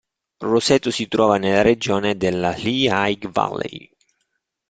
Roseto si trova nella regione della Lehigh Valley.